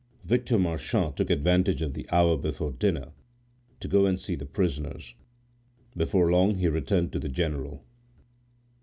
Victor Marchand took advantage of the hour before dinner, to go and see the prisoners. Before long he returned to the general.